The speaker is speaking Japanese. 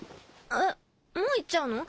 もう行っちゃうの？